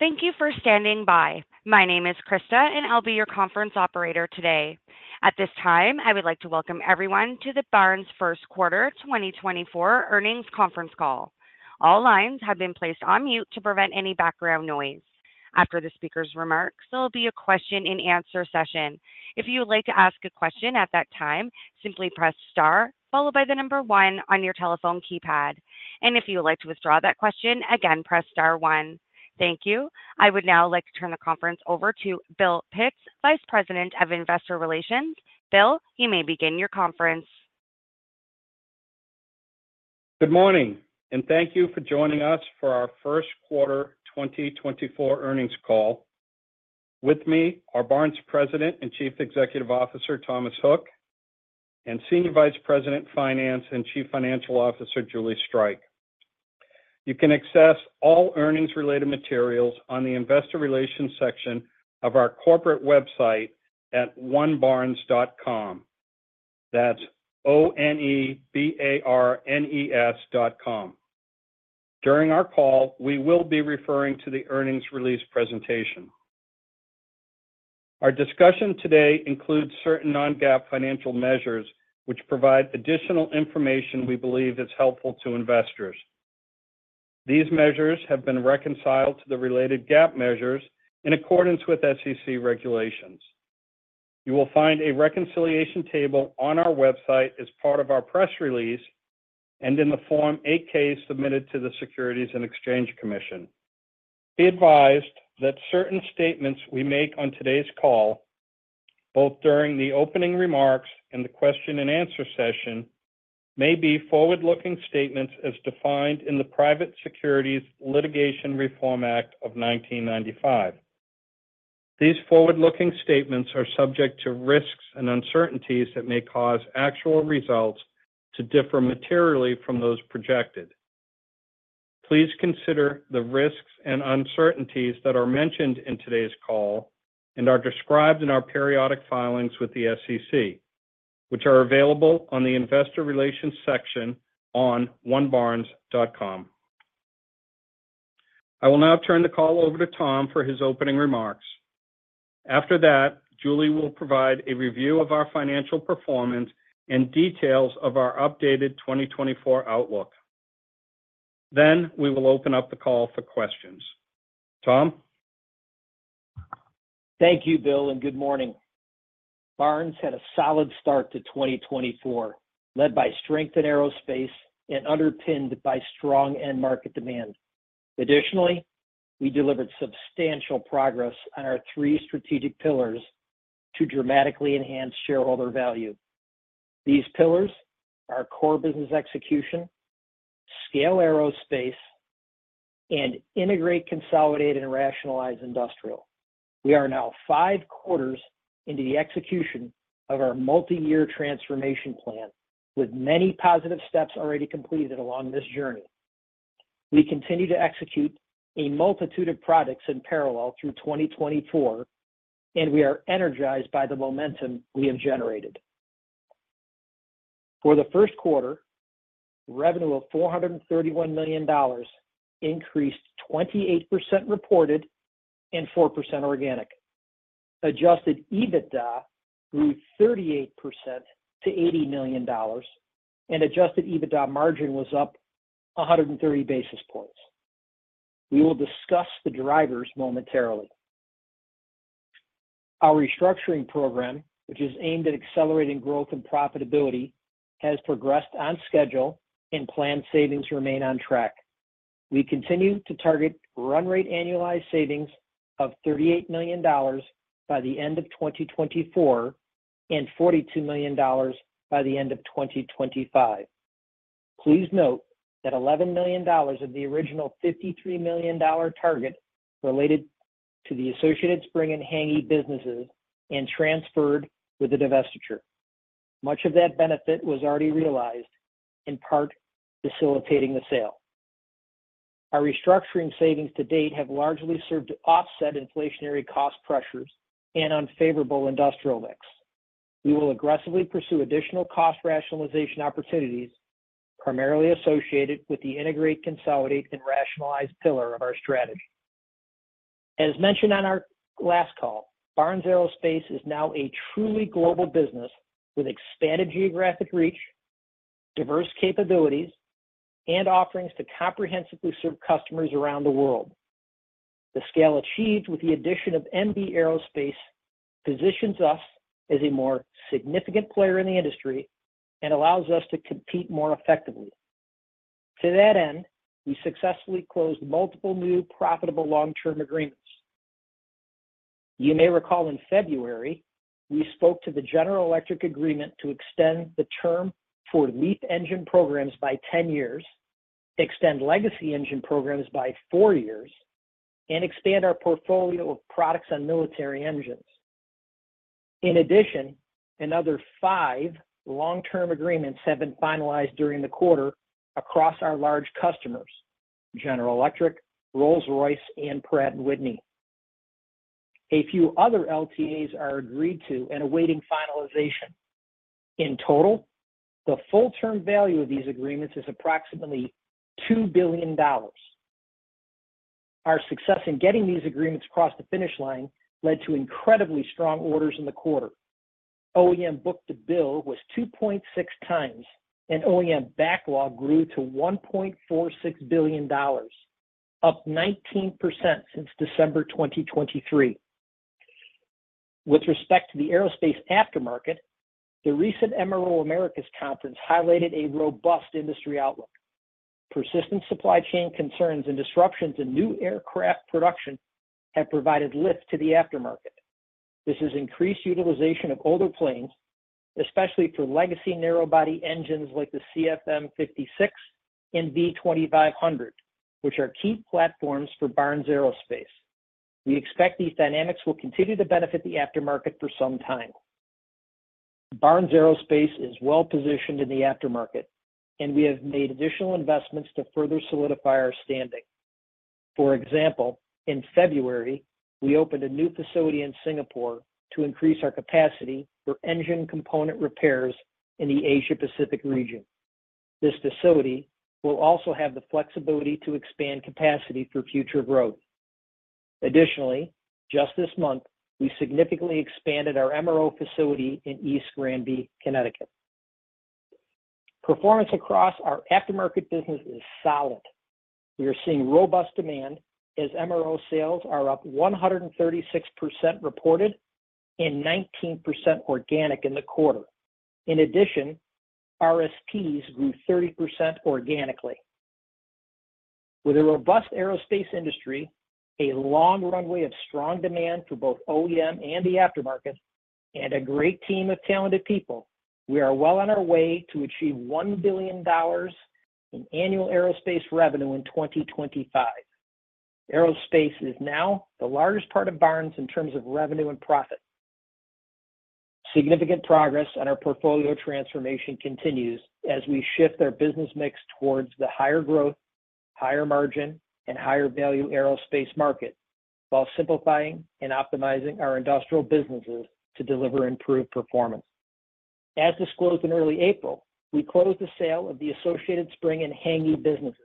Thank you for standing by. My name is Krista, and I'll be your conference operator today. At this time, I would like to welcome everyone to the Barnes First Quarter Earnings Conference Call. All lines have been placed on mute to prevent any background noise. After the speaker's remarks, there will be a question-and-answer session. If you would like to ask a question at that time, simply press star, followed by the number one on your telephone keypad. And if you would like to withdraw that question, again, press star one. Thank you. I would now like to turn the conference over to Bill Pitts, Vice President of Investor Relations. Bill, you may begin your conference. Good morning, and thank you for joining us for our first quarter earnings call. With me are Barnes President and Chief Executive Officer Thomas Hook and Senior Vice President, Finance and Chief Financial Officer Julie Streich. You can access all earnings-related materials on the Investor Relations section of our corporate website at onebarnes.com. That's O-N-E-B-A-R-N-E-S dot com. During our call, we will be referring to the earnings release presentation. Our discussion today includes certain non-GAAP financial measures, which provide additional information we believe is helpful to investors. These measures have been reconciled to the related GAAP measures in accordance with SEC regulations. You will find a reconciliation table on our website as part of our press release and in the Form 8-K submitted to the Securities and Exchange Commission. Be advised that certain statements we make on today's call, both during the opening remarks and the question and answer session, may be forward-looking statements as defined in the Private Securities Litigation Reform Act of 1995. These forward-looking statements are subject to risks and uncertainties that may cause actual results to differ materially from those projected. Please consider the risks and uncertainties that are mentioned in today's call and are described in our periodic filings with the SEC, which are available on the Investor Relations section on onebarnes.com. I will now turn the call over to Thom for his opening remarks. After that, Julie will provide a review of our financial performance and details of our updated 2024 outlook. Then, we will open up the call for questions. Thom? Thank you, Bill, and good morning. Barnes had a solid start to 2024, led by strength in Aerospace and underpinned by strong end market demand. Additionally, we delivered substantial progress on our three strategic pillars to dramatically enhance shareholder value. These pillars are core business execution, scale Aerospace, and integrate, consolidate, and rationalize Industrial. We are now five quarters into the execution of our multi-year transformation plan, with many positive steps already completed along this journey. We continue to execute a multitude of products in parallel through 2024, and we are energized by the momentum we have generated. For the first quarter, revenue of $431 million increased 28% reported and 4% organic. Adjusted EBITDA grew 38% to $80 million, and adjusted EBITDA margin was up 130 basis points. We will discuss the drivers momentarily. Our restructuring program, which is aimed at accelerating growth and profitability, has progressed on schedule and planned savings remain on track. We continue to target run rate annualized savings of $38 million by the end of 2024 and $42 million by the end of 2025. Please note that $11 million of the original $53 million dollar target related to the Associated Spring and Hänggi businesses and transferred with the divestiture. Much of that benefit was already realized, in part facilitating the sale. Our restructuring savings to date have largely served to offset inflationary cost pressures and unfavorable Industrial mix. We will aggressively pursue additional cost rationalization opportunities, primarily associated with the integrate, consolidate, and rationalize pillar of our strategy. As mentioned on our last call, Barnes Aerospace is now a truly global business with expanded geographic reach, diverse capabilities, and offerings to comprehensively serve customers around the world. The scale achieved with the addition of MB Aerospace positions us as a more significant player in the industry and allows us to compete more effectively. To that end, we successfully closed multiple new profitable long-term agreements. You may recall in February, we spoke to the General Electric agreement to extend the term for LEAP engine programs by 10 years, extend legacy engine programs by 4 years, and expand our portfolio of products on military engines. In addition, another 5 long-term agreements have been finalized during the quarter across our large customers, General Electric, Rolls-Royce, and Pratt & Whitney. A few other LTAs are agreed to and awaiting finalization. In total, the full-term value of these agreements is approximately $2 billion. Our success in getting these agreements across the finish line led to incredibly strong orders in the quarter. OEM book-to-bill was 2.6 times, and OEM backlog grew to $1.46 billion, up 19% since December 2023. With respect to the Aerospace aftermarket, the recent MRO Americas conference highlighted a robust industry outlook. Persistent supply chain concerns and disruptions in new aircraft production have provided lift to the aftermarket. This has increased utilization of older planes, especially for legacy narrow-body engines like the CFM56 and V2500, which are key platforms for Barnes Aerospace. We expect these dynamics will continue to benefit the aftermarket for some time. Barnes Aerospace is well-positioned in the aftermarket, and we have made additional investments to further solidify our standing. For example, in February, we opened a new facility in Singapore to increase our capacity for engine component repairs in the Asia-Pacific region. This facility will also have the flexibility to expand capacity for future growth. Additionally, just this month, we significantly expanded our MRO facility in East Granby, Connecticut. Performance across our aftermarket business is solid. We are seeing robust demand as MRO sales are up 136% reported and 19% organic in the quarter. In addition, RSPs grew 30% organically. With a robust Aerospace industry, a long runway of strong demand for both OEM and the aftermarket, and a great team of talented people, we are well on our way to achieve $1 billion in annual Aerospace revenue in 2025. Aerospace is now the largest part of Barnes in terms of revenue and profit. Significant progress on our portfolio transformation continues as we shift our business mix towards the higher growth, higher margin, and higher value Aerospace market, while simplifying and optimizing our Industrial businesses to deliver improved performance. As disclosed in early April, we closed the sale of the Associated Spring and Hänggi businesses.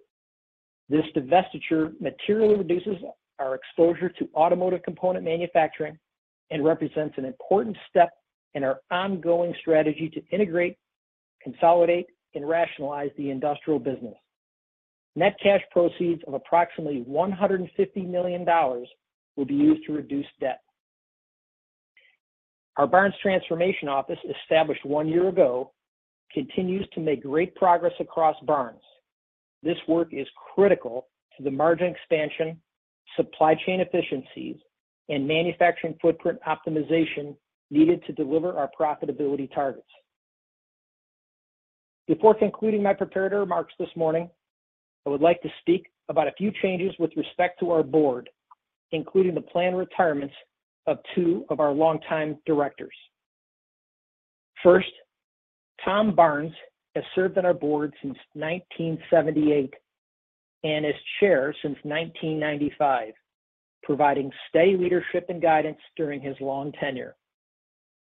This divestiture materially reduces our exposure to automotive component manufacturing and represents an important step in our ongoing strategy to integrate, consolidate, and rationalize the Industrial business. Net cash proceeds of approximately $150 million will be used to reduce debt. Our Barnes Transformation Office, established one year ago, continues to make great progress across Barnes. This work is critical to the margin expansion, supply chain efficiencies, and manufacturing footprint optimization needed to deliver our profitability targets. Before concluding my prepared remarks this morning, I would like to speak about a few changes with respect to our board, including the planned retirements of two of our longtime directors. First, Thom Barnes has served on our board since 1978 and as Chair since 1995, providing steady leadership and guidance during his long tenure.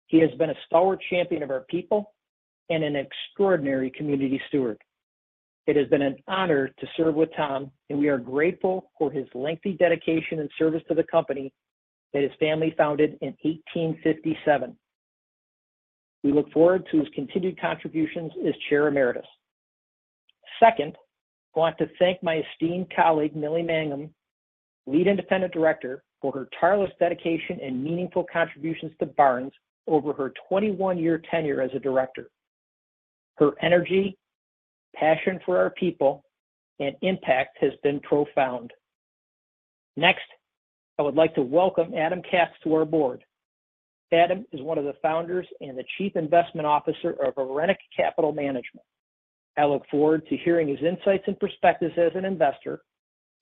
He has been a stalwart champion of our people and an extraordinary community steward. It has been an honor to serve with Thom, and we are grateful for his lengthy dedication and service to the company that his family founded in 1857. We look forward to his continued contributions as Chair Emeritus. Second, I want to thank my esteemed colleague, Mylle Mangum, Lead Independent Director, for her tireless dedication and meaningful contributions to Barnes over her 21-year tenure as a director. Her energy, passion for our people, and impact has been profound. Next, I would like to welcome Adam Katz to our board. Adam is one of the founders and the Chief Investment Officer of Irenic Capital Management. I look forward to hearing his insights and perspectives as an investor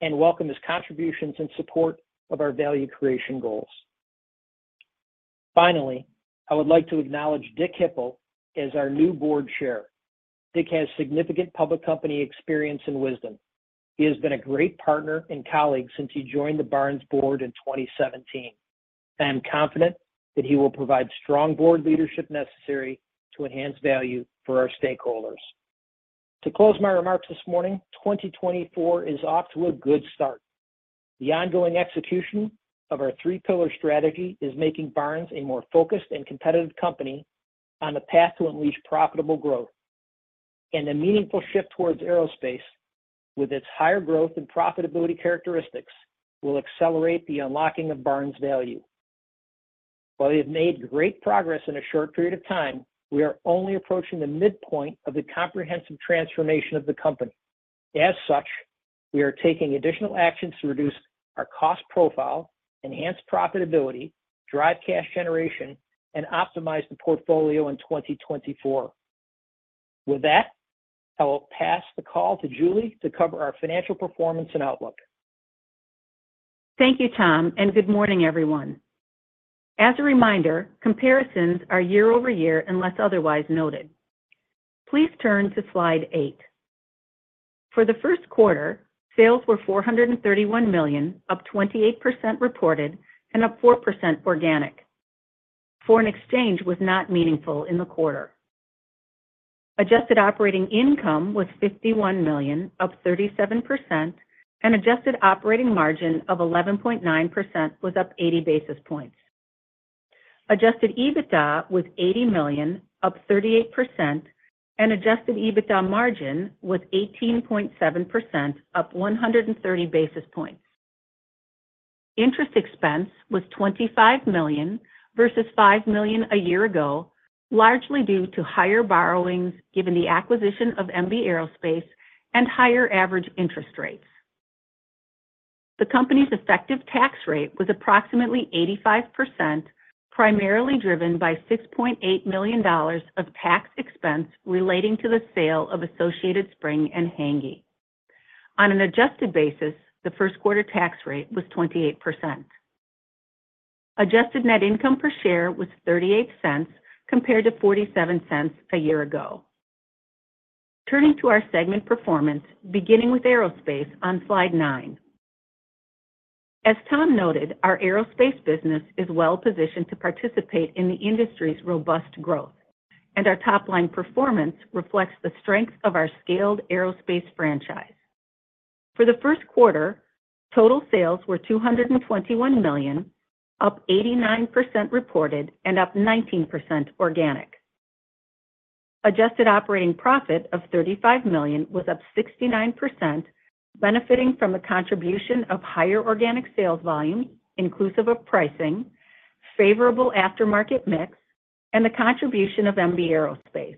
and welcome his contributions in support of our value creation goals. Finally, I would like to acknowledge Dick Hipple as our new board chair. Dick has significant public company experience and wisdom. He has been a great partner and colleague since he joined the Barnes board in 2017. I am confident that he will provide strong board leadership necessary to enhance value for our stakeholders. To close my remarks this morning, 2024 is off to a good start. The ongoing execution of our three-pillar strategy is making Barnes a more focused and competitive company on the path to unleash profitable growth. A meaningful shift towards Aerospace, with its higher growth and profitability characteristics, will accelerate the unlocking of Barnes' value. While we have made great progress in a short period of time, we are only approaching the midpoint of the comprehensive transformation of the company. As such, we are taking additional actions to reduce our cost profile, enhance profitability, drive cash generation, and optimize the portfolio in 2024. With that, I will pass the call to Julie to cover our financial performance and outlook. Thank you, Thom, and good morning, everyone. As a reminder, comparisons are year-over-year, unless otherwise noted. Please turn to slide 8.... For the first quarter, sales were $431 million, up 28% reported and up 4% organic. Foreign exchange was not meaningful in the quarter. Adjusted operating income was $51 million, up 37%, and adjusted operating margin of 11.9% was up 80 basis points. Adjusted EBITDA was $80 million, up 38%, and adjusted EBITDA margin was 18.7%, up 130 basis points. Interest expense was $25 million versus $5 million a year ago, largely due to higher borrowings given the acquisition of MB Aerospace and higher average interest rates. The company's effective tax rate was approximately 85%, primarily driven by $6.8 million of tax expense relating to the sale of Associated Spring and Hänggi. On an adjusted basis, the first quarter tax rate was 28%. Adjusted net income per share was $0.38, compared to $0.47 a year ago. Turning to our segment performance, beginning with Aerospace on slide 9. As Thom noted, our Aerospace business is well positioned to participate in the industry's robust growth, and our top-line performance reflects the strength of our scaled Aerospace franchise. For the first quarter, total sales were $221 million, up 89% reported and up 19% organic. Adjusted operating profit of $35 million was up 69%, benefiting from the contribution of higher organic sales volume, inclusive of pricing, favorable aftermarket mix, and the contribution of MB Aerospace.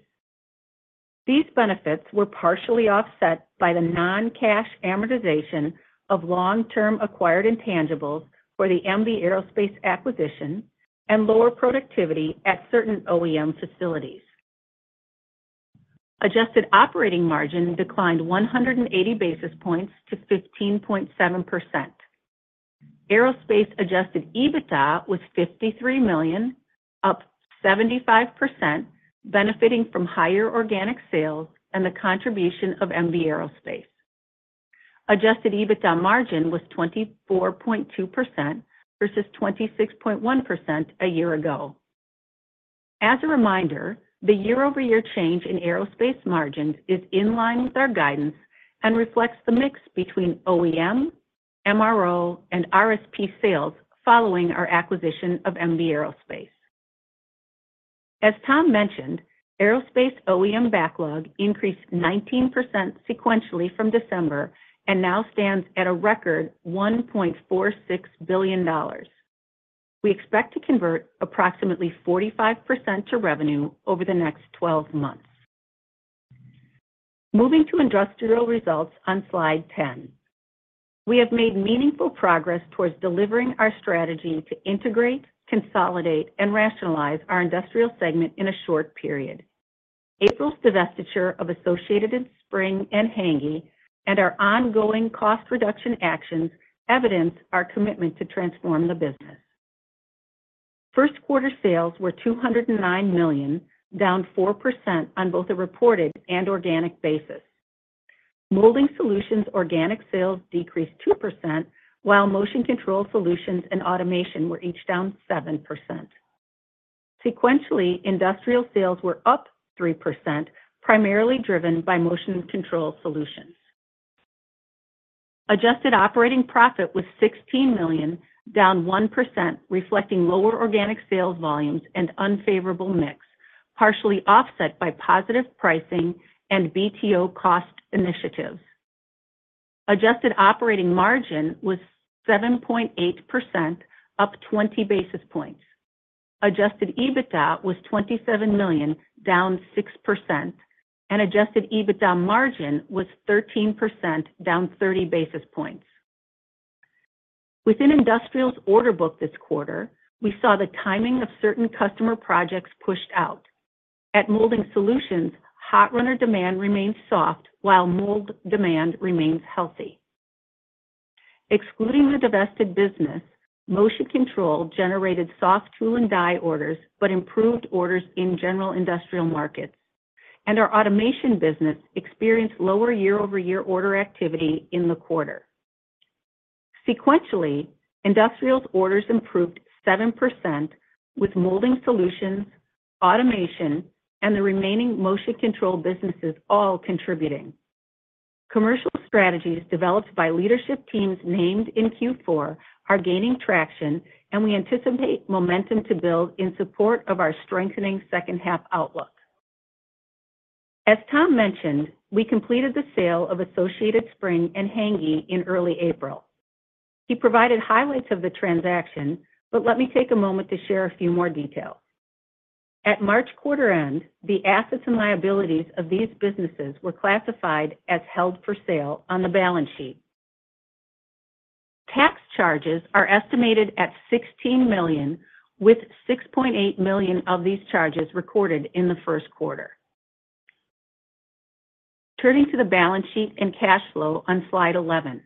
These benefits were partially offset by the non-cash amortization of long-term acquired intangibles for the MB Aerospace acquisition and lower productivity at certain OEM facilities. Adjusted operating margin declined 100 basis points to 15.7%. Aerospace adjusted EBITDA was $53 million, up 75%, benefiting from higher organic sales and the contribution of MB Aerospace. Adjusted EBITDA margin was 24.2% versus 26.1% a year ago. As a reminder, the year-over-year change in Aerospace margins is in line with our guidance and reflects the mix between OEM, MRO, and RSP sales following our acquisition of MB Aerospace. As Thom mentioned, Aerospace OEM backlog increased 19% sequentially from December and now stands at a record $1.46 billion. We expect to convert approximately 45% to revenue over the next twelve months. Moving to Industrial results on slide 10. We have made meaningful progress towards delivering our strategy to integrate, consolidate, and rationalize our Industrial segment in a short period. April's divestiture of Associated Spring and Hänggi, and our ongoing cost reduction actions evidence our commitment to transform the business. First quarter sales were $209 million, down 4% on both a reported and organic basis. Molding Solutions organic sales decreased 2%, while Motion Control Solutions and Automation were each down 7%. Sequentially, Industrial sales were up 3%, primarily driven by Motion Control Solutions. Adjusted operating profit was $16 million, down 1%, reflecting lower organic sales volumes and unfavorable mix, partially offset by positive pricing and BTO cost initiatives. Adjusted operating margin was 7.8%, up 20 basis points. Adjusted EBITDA was $27 million, down 6%, and adjusted EBITDA margin was 13%, down 30 basis points. Within Industrial's order book this quarter, we saw the timing of certain customer projects pushed out. At Molding Solutions, hot runner demand remains soft, while mold demand remains healthy. Excluding the divested business, Motion Control generated soft tool and die orders, but improved orders in general Industrial markets. Our automation business experienced lower year-over-year order activity in the quarter. Sequentially, Industrial's orders improved 7%, with Molding Solutions, Automation, and the remaining Motion Control businesses all contributing. Commercial strategies developed by leadership teams named in Q4 are gaining traction, and we anticipate momentum to build in support of our strengthening second half outlook. As Thom mentioned, we completed the sale of Associated Spring and Hänggi in early April. He provided highlights of the transaction, but let me take a moment to share a few more details. At March quarter end, the assets and liabilities of these businesses were classified as held for sale on the balance sheet. Tax charges are estimated at $16 million, with $6.8 million of these charges recorded in the first quarter. Turning to the balance sheet and cash flow on slide 11.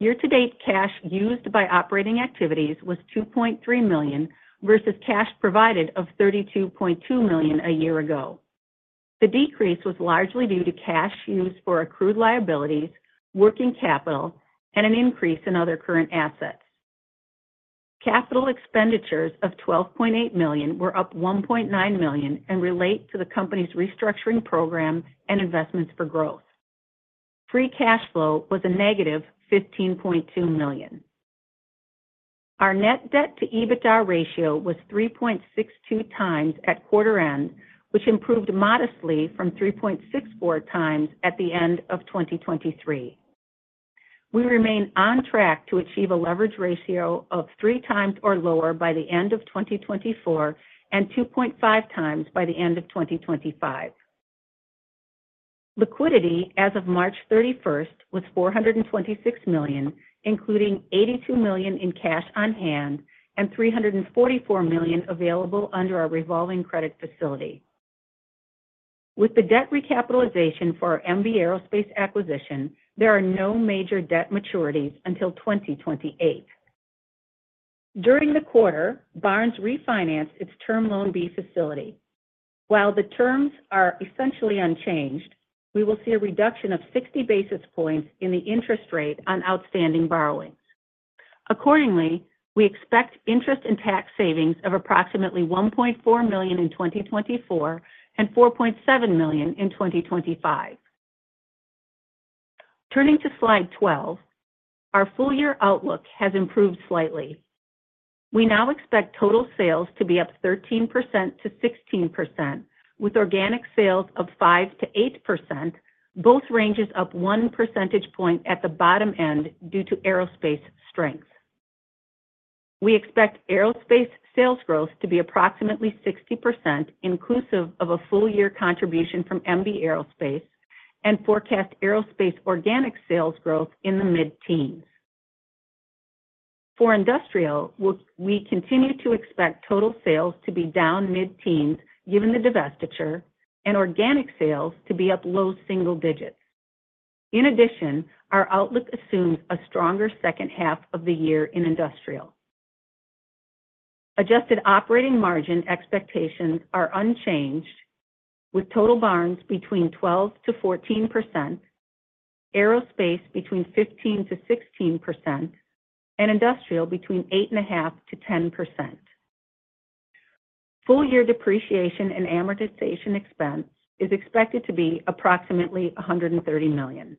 Year-to-date cash used by operating activities was $2.3 million, versus cash provided of $32.2 million a year ago. The decrease was largely due to cash used for accrued liabilities, working capital, and an increase in other current assets. Capital expenditures of $12.8 million were up $1.9 million and relate to the company's restructuring program and investments for growth. Free cash flow was a negative $15.2 million. Our net debt to EBITDA ratio was 3.62 times at quarter end, which improved modestly from 3.64 times at the end of 2023. We remain on track to achieve a leverage ratio of 3 times or lower by the end of 2024, and 2.5 times by the end of 2025. Liquidity as of March 31 was $426 million, including $82 million in cash on hand and $344 million available under our revolving credit facility. With the debt recapitalization for our MB Aerospace acquisition, there are no major debt maturities until 2028. During the quarter, Barnes refinanced its Term Loan B facility. While the terms are essentially unchanged, we will see a reduction of 60 basis points in the interest rate on outstanding borrowings. Accordingly, we expect interest and tax savings of approximately $1.4 million in 2024 and $4.7 million in 2025. Turning to Slide 12, our full-year outlook has improved slightly. We now expect total sales to be up 13%-16%, with organic sales of 5%-8%, both ranges up one percentage point at the bottom end due to Aerospace strength. We expect Aerospace sales growth to be approximately 60%, inclusive of a full-year contribution from MB Aerospace, and forecast Aerospace organic sales growth in the mid-teens. For Industrial, we continue to expect total sales to be down mid-teens, given the divestiture, and organic sales to be up low single digits. In addition, our outlook assumes a stronger second half of the year in Industrial. Adjusted operating margin expectations are unchanged, with total Barnes between 12%-14%, Aerospace between 15%-16%, and Industrial between 8.5%-10%. Full year depreciation and amortization expense is expected to be approximately $130 million.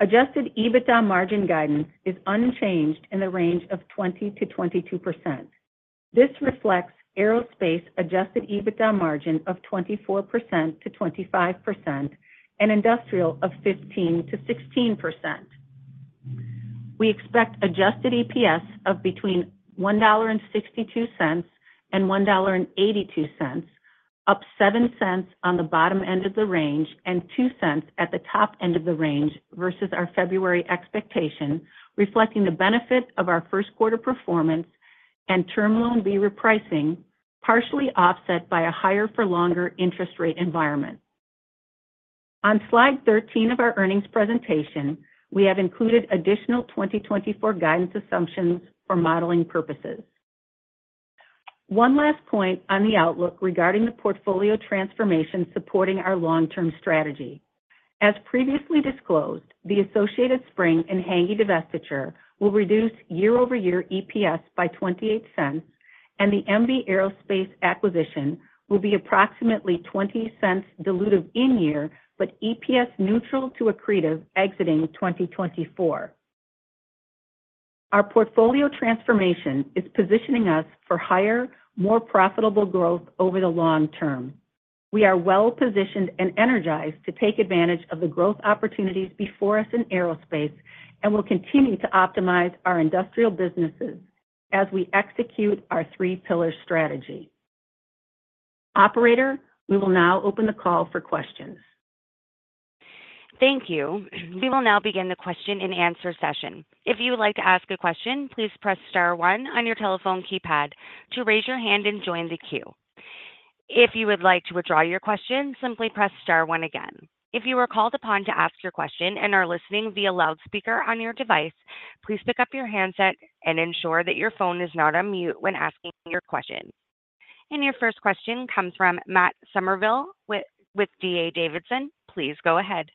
Adjusted EBITDA margin guidance is unchanged in the range of 20%-22%. This reflects Aerospace adjusted EBITDA margin of 24%-25% and Industrial of 15%-16%. We expect adjusted EPS of between $1.62 and $1.82, up 7 cents on the bottom end of the range and 2 cents at the top end of the range versus our February expectation, reflecting the benefit of our first quarter performance and Term Loan B repricing, partially offset by a higher for longer interest rate environment. On Slide 13 of our earnings presentation, we have included additional 2024 guidance assumptions for modeling purposes. One last point on the outlook regarding the portfolio transformation supporting our long-term strategy. As previously disclosed, the Associated Spring and Hänggi divestiture will reduce year-over-year EPS by $0.28, and the MB Aerospace acquisition will be approximately $0.20 dilutive in year, but EPS neutral to accretive exiting 2024. Our portfolio transformation is positioning us for higher, more profitable growth over the long term. We are well-positioned and energized to take advantage of the growth opportunities before us in Aerospace, and we'll continue to optimize our Industrial businesses as we execute our three pillar strategy. Operator, we will now open the call for questions. Thank you. We will now begin the question and answer session. If you would like to ask a question, please press star one on your telephone keypad to raise your hand and join the queue. If you would like to withdraw your question, simply press star one again. If you were called upon to ask your question and are listening via loudspeaker on your device, please pick up your handset and ensure that your phone is not on mute when asking your question. Your first question comes from Matt Summerville with D.A. Davidson. Please go ahead.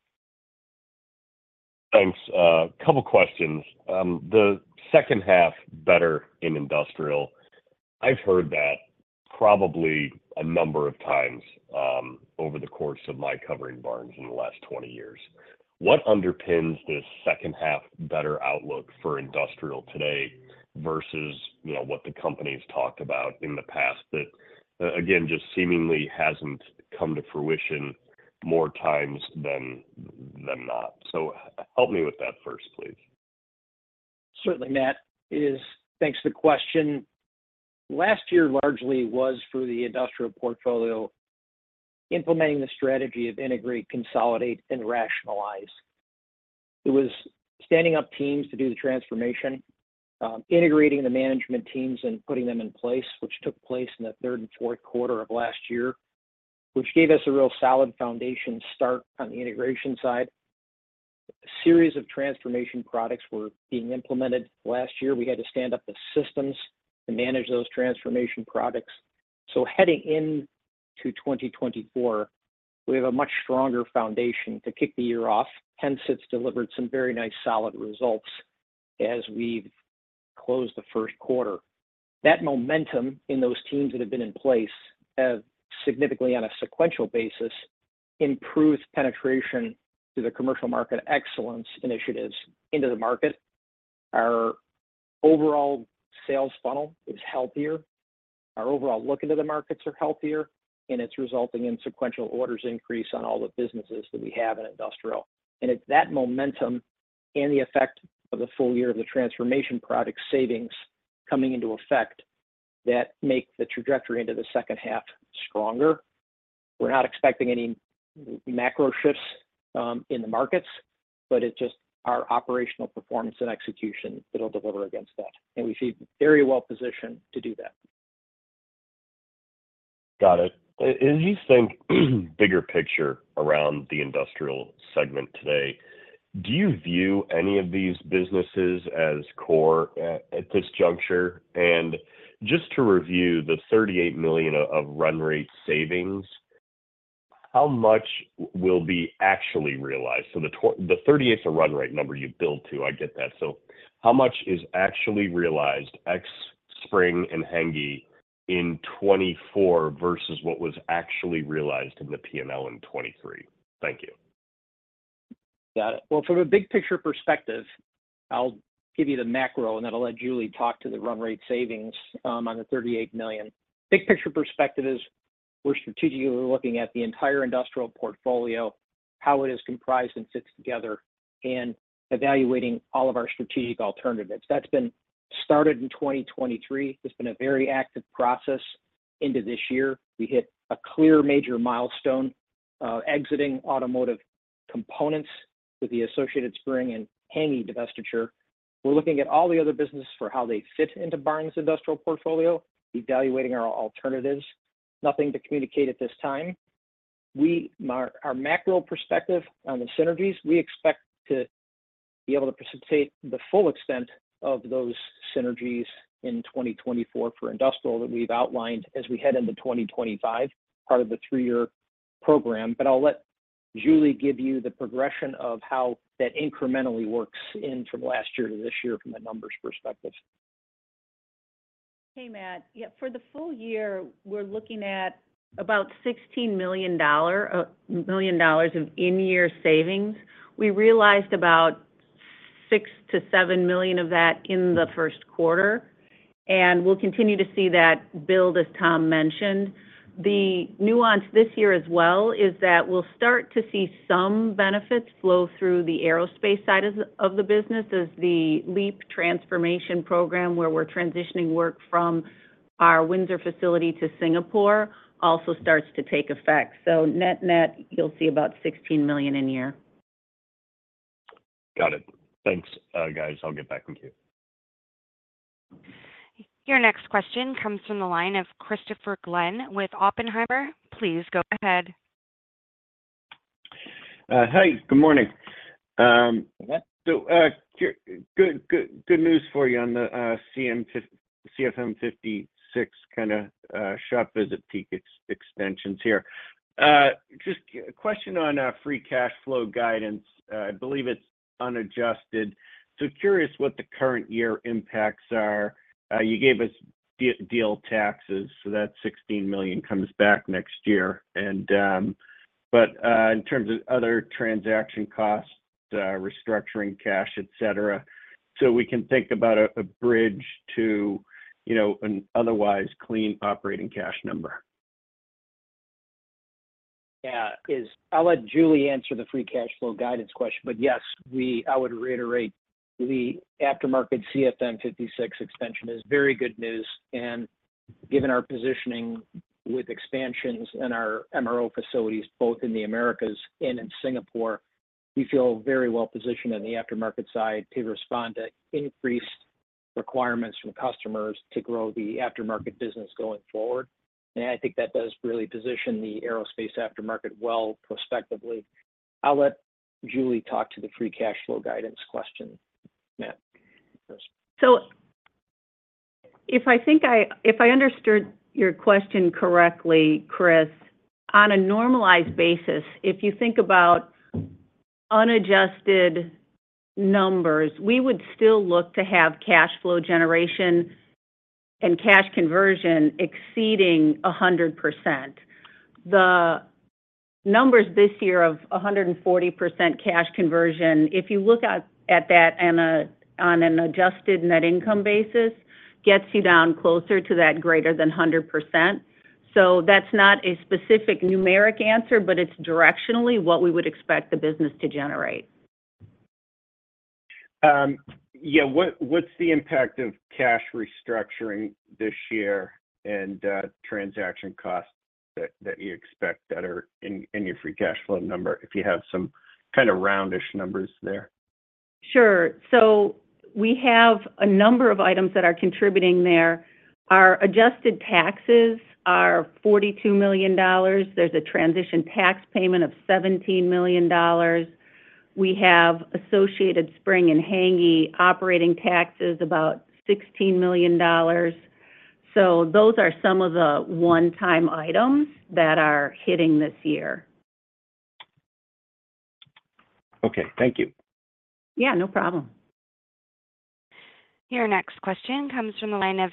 Thanks. A couple questions. The second half better in Industrial, I've heard that probably a number of times over the course of my covering Barnes in the last 20 years. What underpins this second half better outlook for Industrial today versus, you know, what the company's talked about in the past that, again, just seemingly hasn't come to fruition more times than not? So help me with that first, please. Certainly, Matt. Thanks for the question. Last year, largely was for the Industrial portfolio, implementing the strategy of integrate, consolidate, and rationalize. It was standing up teams to do the transformation, integrating the management teams and putting them in place, which took place in the third and fourth quarter of last year, which gave us a real solid foundation start on the integration side. A series of transformation products were being implemented last year. We had to stand up the systems to manage those transformation products. So heading into 2024, we have a much stronger foundation to kick the year off, hence it's delivered some very nice, solid results as we've closed the first quarter. That momentum in those teams that have been in place have significantly, on a sequential basis, improved penetration to the commercial market excellence initiatives into the market. Our overall sales funnel is healthier, our overall look into the markets are healthier, and it's resulting in sequential orders increase on all the businesses that we have in Industrial. It's that momentum and the effect of the full year of the transformation product savings coming into effect that make the trajectory into the second half stronger. We're not expecting any macro shifts in the markets, but it's just our operational performance and execution that'll deliver against that, and we feel very well positioned to do that. Got it. And as you think bigger picture around the Industrial segment today, do you view any of these businesses as core at this juncture? And just to review, the $38 million of run rate savings, how much will be actually realized? So the thirty-eight's a run rate number you build to, I get that. So how much is actually realized, ex Spring and Hänggi, in 2024 versus what was actually realized in the P&L in 2023? Thank you. Got it. Well, from a big picture perspective, I'll give you the macro, and then I'll let Julie talk to the run rate savings on the $38 million. Big picture perspective is we're strategically looking at the entire Industrial portfolio, how it is comprised and fits together, and evaluating all of our strategic alternatives. That's been started in 2023. It's been a very active process into this year. We hit a clear major milestone, exiting automotive components with the Associated Spring and Hänggi divestiture. We're looking at all the other businesses for how they fit into Barnes Industrial portfolio, evaluating our alternatives. Nothing to communicate at this time. Our macro perspective on the synergies, we expect to be able to participate the full extent of those synergies in 2024 for Industrial that we've outlined as we head into 2025, part of the three-year program. I'll let Julie give you the progression of how that incrementally works in from last year to this year, from a numbers perspective. Hey, Matt. Yeah, for the full year, we're looking at about $16 million of in-year savings. We realized about $6 million-$7 million of that in the first quarter, and we'll continue to see that build, as Thom mentioned. The nuance this year as well is that we'll start to see some benefits flow through the Aerospace side of the business as the LEAP transformation program, where we're transitioning work from our Windsor facility to Singapore, also starts to take effect. So net-net, you'll see about $16 million in year. Got it. Thanks, guys. I'll get back in queue. Your next question comes from the line of Christopher Glynn with Oppenheimer. Please go ahead. Hi, good morning. So, good, good, good news for you on the CFM56 kind of shop visit peak extensions here. Just question on free cash flow guidance. I believe it's unadjusted. So curious what the current year impacts are. You gave us deal taxes, so that $16 million comes back next year. And, but, in terms of other transaction costs, restructuring cash, et cetera, so we can think about a bridge to, you know, an otherwise clean operating cash number. Yeah. I'll let Julie answer the free cash flow guidance question, but yes, I would reiterate, the aftermarket CFM56 extension is very good news, and given our positioning with expansions in our MRO facilities, both in the Americas and in Singapore, we feel very well positioned on the aftermarket side to respond to increased requirements from customers to grow the aftermarket business going forward. And I think that does really position the Aerospace aftermarket well prospectively. I'll let Julie talk to the free cash flow guidance question, Matt. So if I understood your question correctly, Chris, on a normalized basis, if you think about unadjusted numbers, we would still look to have cash flow generation and cash conversion exceeding 100%. The numbers this year of 140% cash conversion, if you look at that on an adjusted net income basis, gets you down closer to that greater than 100%. So that's not a specific numeric answer, but it's directionally what we would expect the business to generate. Yeah, what's the impact of cash restructuring this year and transaction costs that you expect are in your free cash flow number, if you have some kind of roundish numbers there? ... Sure. So we have a number of items that are contributing there. Our adjusted taxes are $42 million. There's a transition tax payment of $17 million. We have Associated Spring and Hänggi operating taxes, about $16 million. So those are some of the one-time items that are hitting this year. Okay, thank you. Yeah, no problem. Your next question comes from the line of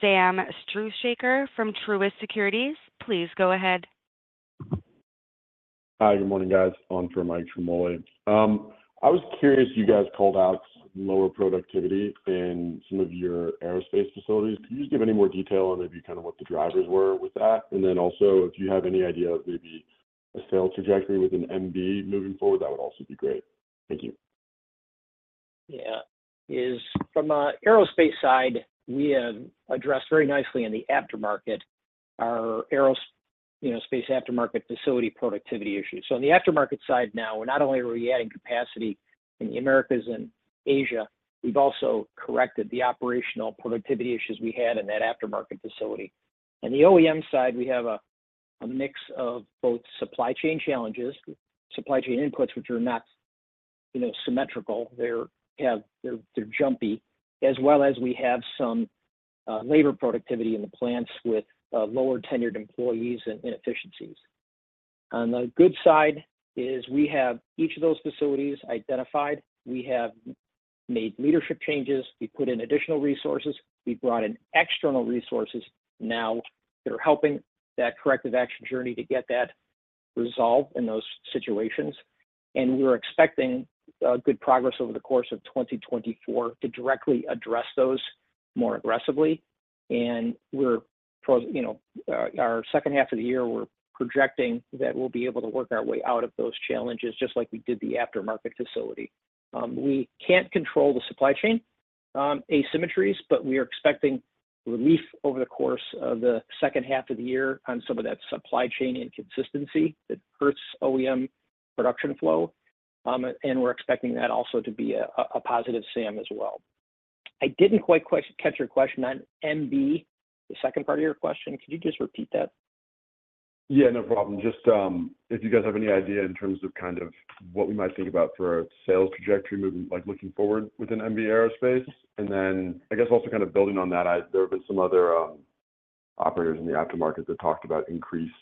Sam Struhsaker from Truist Securities. Please go ahead. Hi, good morning, guys. On for Mike Ciarmoli. I was curious, you guys called out lower productivity in some of your Aerospace facilities. Can you just give any more detail on maybe kind of what the drivers were with that? And then also, if you have any idea of maybe a sales trajectory within MB moving forward, that would also be great. Thank you. Yeah. As from the Aerospace side, we have addressed very nicely in the aftermarket, our Aerospace, you know, aftermarket facility productivity issues. So on the aftermarket side now, we're not only are we adding capacity in the Americas and Asia, we've also corrected the operational productivity issues we had in that aftermarket facility. On the OEM side, we have a mix of both supply chain challenges, supply chain inputs which are not, you know, symmetrical, they're, they're jumpy, as well as we have some labor productivity in the plants with lower-tenured employees and inefficiencies. On the good side is we have each of those facilities identified. We have made leadership changes, we put in additional resources, we brought in external resources now that are helping that corrective action journey to get that resolved in those situations. We're expecting good progress over the course of 2024 to directly address those more aggressively. And we're, you know, our second half of the year, we're projecting that we'll be able to work our way out of those challenges, just like we did the aftermarket facility. We can't control the supply chain asymmetries, but we are expecting relief over the course of the second half of the year on some of that supply chain inconsistency that hurts OEM production flow. And we're expecting that also to be a positive SAM as well. I didn't quite catch your question on MB, the second part of your question. Could you just repeat that? Yeah, no problem. Just, if you guys have any idea in terms of kind of what we might think about for a sales trajectory, moving, like, looking forward with an MB Aerospace? And then, I guess also kind of building on that, there have been some other operators in the aftermarket that talked about increased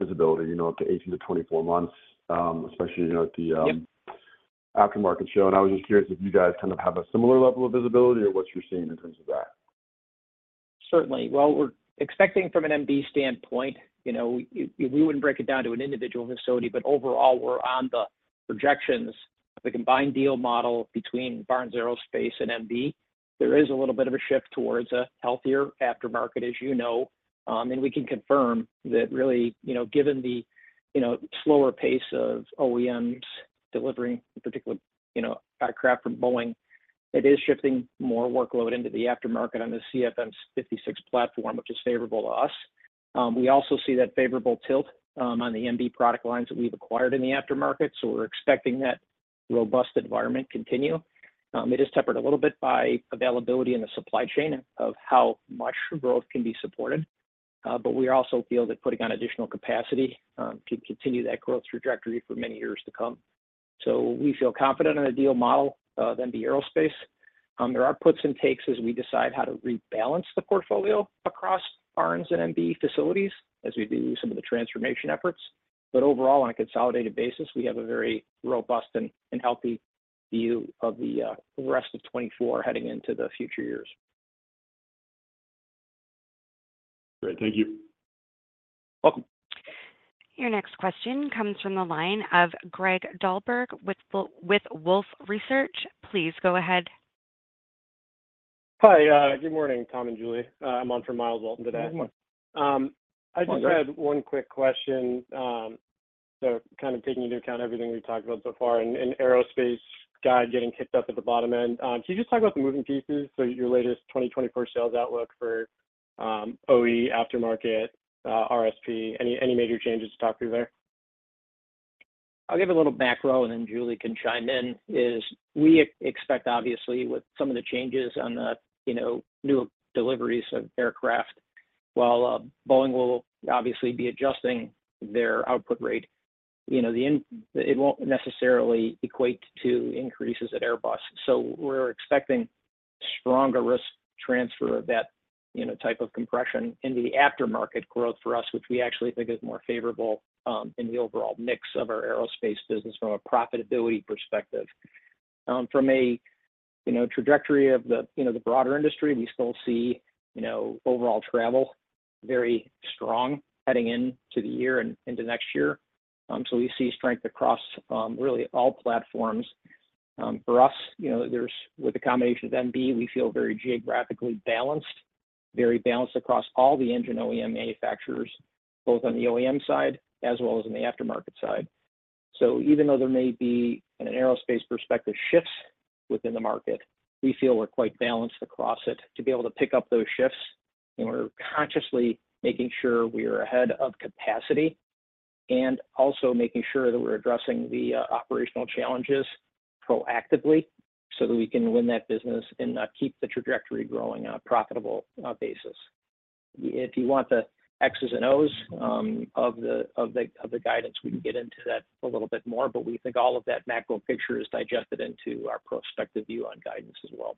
visibility, you know, up to 18-24 months, especially, you know, at the, Yep... aftermarket show. I was just curious if you guys kind of have a similar level of visibility or what you're seeing in terms of that? Certainly. Well, we're expecting from an MB standpoint, you know, we wouldn't break it down to an individual facility, but overall, we're on the projections of the combined deal model between Barnes Aerospace and MB. There is a little bit of a shift towards a healthier aftermarket, as you know. And we can confirm that really, you know, given the, you know, slower pace of OEMs delivering, particularly, you know, aircraft from Boeing, it is shifting more workload into the aftermarket on the CFM56 platform, which is favorable to us. We also see that favorable tilt on the MB product lines that we've acquired in the aftermarket, so we're expecting that robust environment continue. It is tempered a little bit by availability in the supply chain of how much growth can be supported, but we also feel that putting on additional capacity can continue that growth trajectory for many years to come. So we feel confident in the deal model of MB Aerospace. There are puts and takes as we decide how to rebalance the portfolio across Barnes and MB facilities, as we do some of the transformation efforts. But overall, on a consolidated basis, we have a very robust and healthy view of the rest of 2024 heading into the future years. Great. Thank you. Welcome. Your next question comes from the line of Greg Dahlberg with Wolfe Research. Please go ahead. Hi, good morning, Thom and Julie. I'm on for Miles Walton today. Good morning. Um- Morning... I just had one quick question. So kind of taking into account everything we've talked about so far, and Aerospace guide getting kicked up at the bottom end. Can you just talk about the moving pieces for your latest 2024 sales outlook for OE, aftermarket, RSP? Any major changes to talk through there? I'll give a little background, and then Julie can chime in. We expect, obviously, with some of the changes on the, you know, new deliveries of aircraft, while Boeing will obviously be adjusting their output rate, you know, it won't necessarily equate to increases at Airbus. So we're expecting stronger risk transfer of that, you know, type of compression into the aftermarket growth for us, which we actually think is more favorable in the overall mix of our Aerospace business from a profitability perspective. From a, you know, trajectory of the, you know, the broader industry, we still see, you know, overall travel very strong heading into the year and into next year. So we see strength across really all platforms. For us, you know, there's, with the combination of MB, we feel very geographically balanced, very balanced across all the engine OEM manufacturers, both on the OEM side as well as in the aftermarket side. So even though there may be, in an Aerospace perspective, shifts within the market, we feel we're quite balanced across it to be able to pick up those shifts, and we're consciously making sure we are ahead of capacity... and also making sure that we're addressing the operational challenges proactively, so that we can win that business and keep the trajectory growing on a profitable basis. If you want the X's and O's of the guidance, we can get into that a little bit more, but we think all of that macro picture is digested into our prospective view on guidance as well.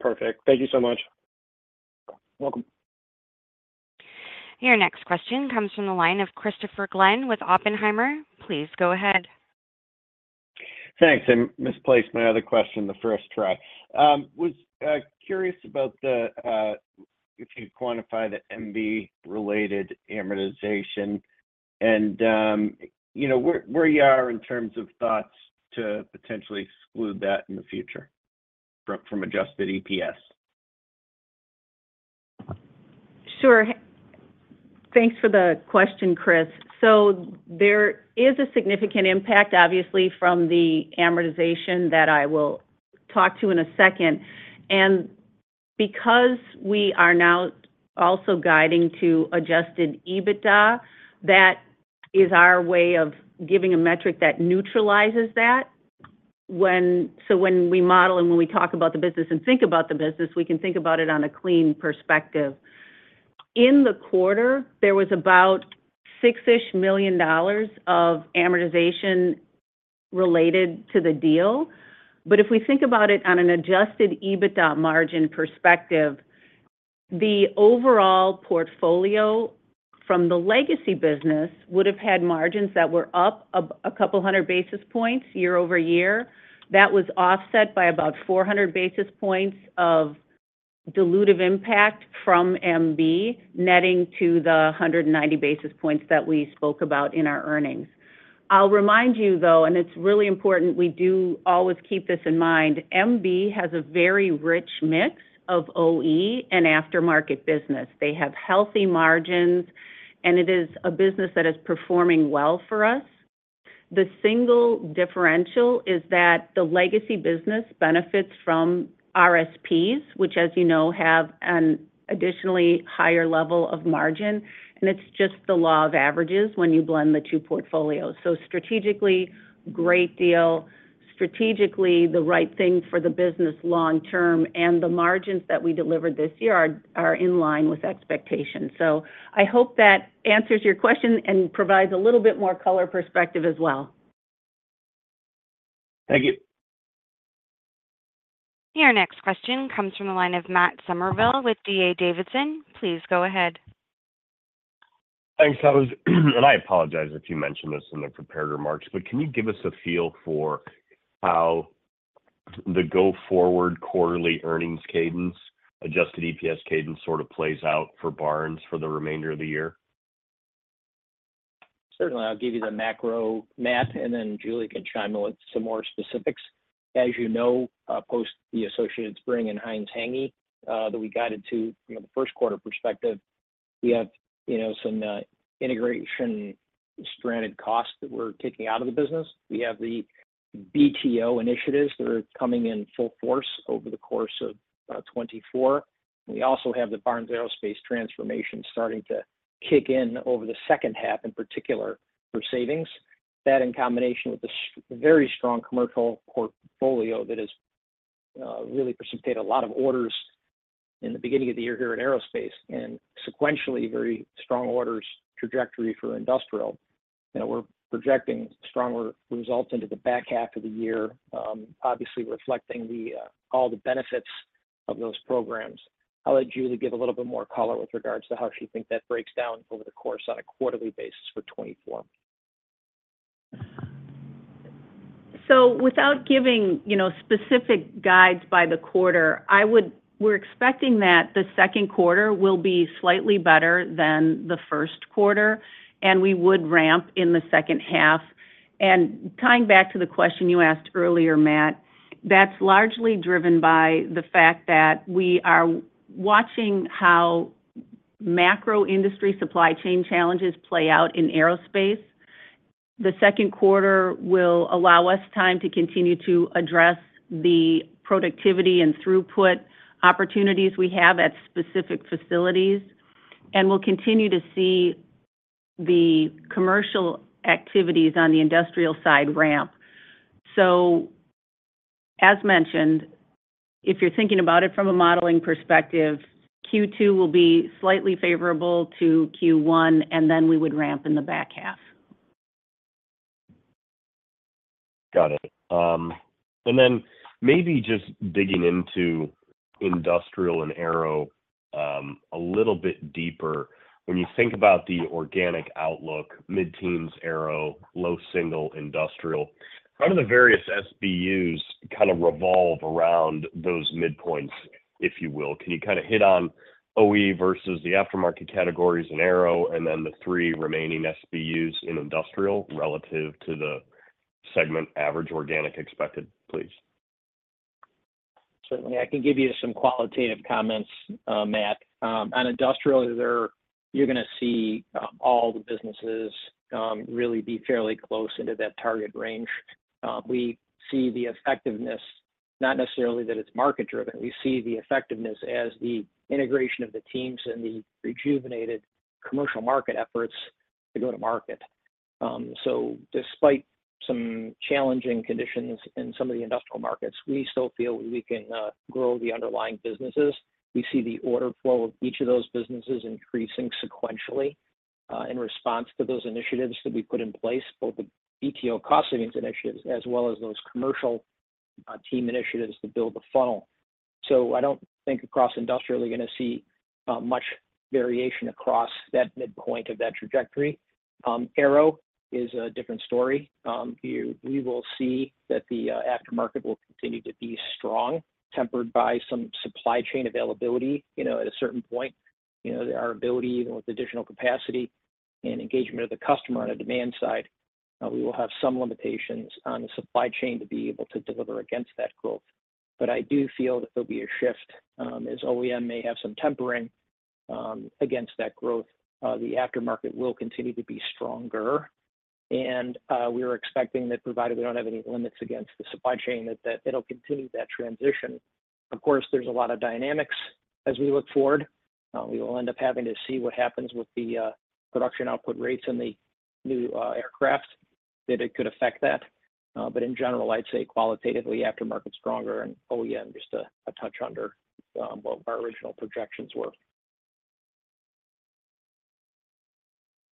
Perfect. Thank you so much. Welcome. Your next question comes from the line of Christopher Glynn with Oppenheimer. Please go ahead. Thanks. I misplaced my other question in the first try. Was curious about if you could quantify the MB-related amortization and, you know, where you are in terms of thoughts to potentially exclude that in the future from adjusted EPS? Sure. Thanks for the question, Chris. So there is a significant impact, obviously, from the amortization that I will talk to in a second. And because we are now also guiding to Adjusted EBITDA, that is our way of giving a metric that neutralizes that. So when we model and when we talk about the business and think about the business, we can think about it on a clean perspective. In the quarter, there was about $6 million of amortization related to the deal. But if we think about it on an Adjusted EBITDA margin perspective, the overall portfolio from the legacy business would have had margins that were up a couple of hundred basis points year-over-year. That was offset by about 400 basis points of dilutive impact from MB, netting to the 190 basis points that we spoke about in our earnings. I'll remind you, though, and it's really important, we do always keep this in mind, MB has a very rich mix of OE and aftermarket business. They have healthy margins, and it is a business that is performing well for us. The single differential is that the legacy business benefits from RSPs, which, as you know, have an additionally higher level of margin, and it's just the law of averages when you blend the two portfolios. So strategically, great deal, strategically, the right thing for the business long term, and the margins that we delivered this year are, are in line with expectations. So I hope that answers your question and provides a little bit more color perspective as well. Thank you. Your next question comes from the line of Matt Summerville with D.A. Davidson. Please go ahead. Thanks. I was, and I apologize if you mentioned this in the prepared remarks, but can you give us a feel for how the go-forward quarterly earnings cadence, adjusted EPS cadence, sort of plays out for Barnes for the remainder of the year? Certainly, I'll give you the macro, Matt, and then Julie can chime in with some more specifics. As you know, post the Associated Spring and Hänggi, that we guided to, you know, the first quarter perspective, we have, you know, some integration stranded costs that we're taking out of the business. We have the BTO initiatives that are coming in full force over the course of 2024. We also have the Barnes Aerospace transformation starting to kick in over the second half, in particular, for savings. That, in combination with the very strong commercial portfolio that has really precipitated a lot of orders in the beginning of the year here at Aerospace, and sequentially, very strong orders trajectory for Industrial. You know, we're projecting stronger results into the back half of the year, obviously reflecting all the benefits of those programs. I'll let Julie give a little bit more color with regards to how she thinks that breaks down over the course on a quarterly basis for 2024. So without giving, you know, specific guides by the quarter, we're expecting that the second quarter will be slightly better than the first quarter, and we would ramp in the second half. And tying back to the question you asked earlier, Matt, that's largely driven by the fact that we are watching how macro industry supply chain challenges play out in Aerospace. The second quarter will allow us time to continue to address the productivity and throughput opportunities we have at specific facilities, and we'll continue to see the commercial activities on the Industrial side ramp. So as mentioned, if you're thinking about it from a modeling perspective, Q2 will be slightly favorable to Q1, and then we would ramp in the back half. Got it. And then maybe just digging into Industrial and aero a little bit deeper. When you think about the organic outlook, mid-teens aero, low single Industrial, how do the various SBUs revolve around those midpoints, if you will? Can you hit on OE versus the aftermarket categories in aero, and then the three remaining SBUs in Industrial relative to the segment average organic expected, please? Certainly, I can give you some qualitative comments, Matt. On Industrial, there, you're gonna see all the businesses really be fairly close into that target range. We see the effectiveness, not necessarily that it's market-driven. We see the effectiveness as the integration of the teams and the rejuvenated commercial market efforts to go to market. So despite some challenging conditions in some of the Industrial markets, we still feel we can grow the underlying businesses. We see the order flow of each of those businesses increasing sequentially in response to those initiatives that we put in place, both the BTO cost savings initiatives as well as those commercial team initiatives to build the funnel. So I don't think across Industrial, we're gonna see much variation across that midpoint of that trajectory. Aero is a different story. We will see that the aftermarket will continue to be strong, tempered by some supply chain availability. You know, at a certain point, you know, our ability, even with additional capacity and engagement of the customer on the demand side, we will have some limitations on the supply chain to be able to deliver against that growth. But I do feel that there'll be a shift, as OEM may have some tempering, against that growth. The aftermarket will continue to be stronger. And we are expecting that, provided we don't have any limits against the supply chain, that it'll continue that transition. Of course, there's a lot of dynamics as we look forward. We will end up having to see what happens with the production output rates in the new aircraft, that it could affect that. But in general, I'd say qualitatively, aftermarket's stronger, and OEM, just a touch under what our original projections were.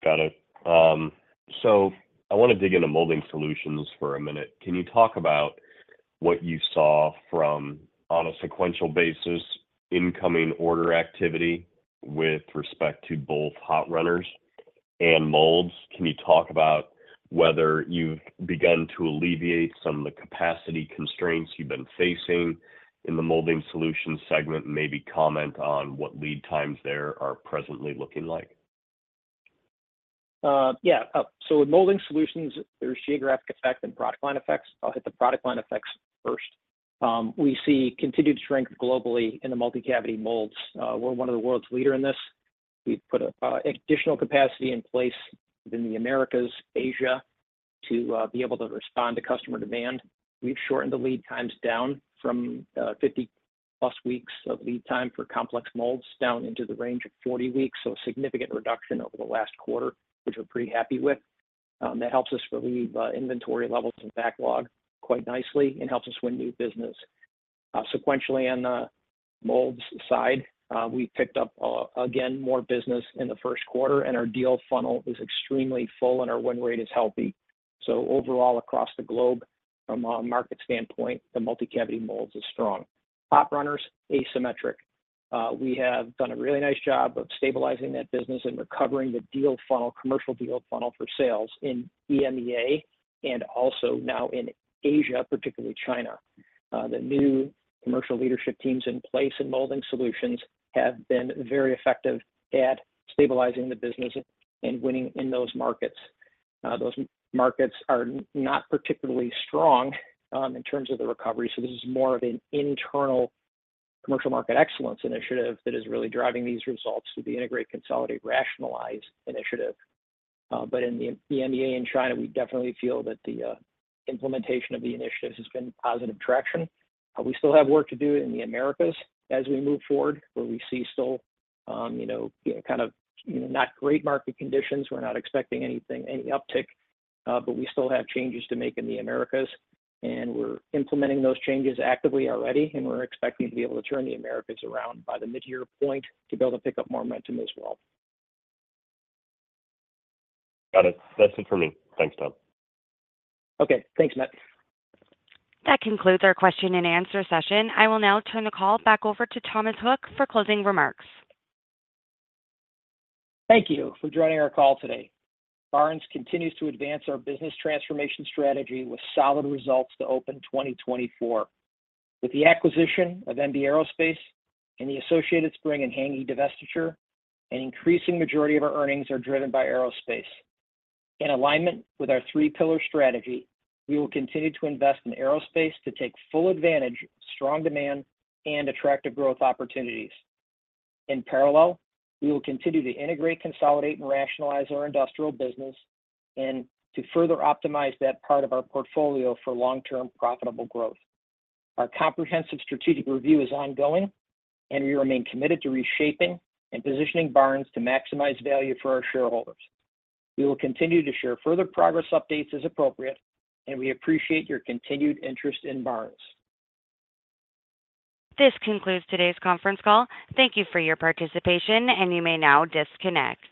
Got it. So I wanna dig into Molding Solutions for a minute. Can you talk about what you saw from, on a sequential basis, incoming order activity with respect to both hot runners and molds? Can you talk about whether you've begun to alleviate some of the capacity constraints you've been facing in the Molding Solutions segment? Maybe comment on what lead times there are presently looking like. Yeah. So with Molding Solutions, there's geographic effect and product line effects. I'll hit the product line effects first. We see continued strength globally in the multi-cavity molds. We're one of the world's leader in this. We've put additional capacity in place within the Americas, Asia, to be able to respond to customer demand. We've shortened the lead times down from 50+ weeks of lead time for complex molds, down into the range of 40 weeks, so a significant reduction over the last quarter, which we're pretty happy with. That helps us relieve inventory levels and backlog quite nicely and helps us win new business. Sequentially, on the molds side, we picked up again more business in the first quarter, and our deal funnel is extremely full, and our win rate is healthy. So overall, across the globe, from a market standpoint, the multi-cavity molds is strong. Hot runners, asymmetric. We have done a really nice job of stabilizing that business and recovering the deal funnel, commercial deal funnel for sales in EMEA and also now in Asia, particularly China. The new commercial leadership teams in place in Molding Solutions have been very effective at stabilizing the business and winning in those markets. Those markets are not particularly strong, in terms of the recovery, so this is more of an internal commercial market excellence initiative that is really driving these results through the integrate, consolidate, rationalize initiative. But in the EMEA and China, we definitely feel that the implementation of the initiatives has been positive traction. We still have work to do in the Americas as we move forward, where we see still, you know, kind of, you know, not great market conditions. We're not expecting anything, any uptick, but we still have changes to make in the Americas, and we're implementing those changes actively already, and we're expecting to be able to turn the Americas around by the mid-year point to be able to pick up more momentum as well. Got it. That's it for me. Thanks, Thom. Okay. Thanks, Matt. That concludes our question and answer session. I will now turn the call back over to Thomas Hook for closing remarks. Thank you for joining our call today. Barnes continues to advance our business transformation strategy with solid results to open 2024. With the acquisition of MB Aerospace and the Associated Spring and Hänggi divestiture, an increasing majority of our earnings are driven by Aerospace. In alignment with our three pillar strategy, we will continue to invest in Aerospace to take full advantage of strong demand and attractive growth opportunities. In parallel, we will continue to integrate, consolidate, and rationalize our Industrial business and to further optimize that part of our portfolio for long-term profitable growth. Our comprehensive strategic review is ongoing, and we remain committed to reshaping and positioning Barnes to maximize value for our shareholders. We will continue to share further progress updates as appropriate, and we appreciate your continued interest in Barnes. This concludes today's conference call. Thank you for your participation, and you may now disconnect.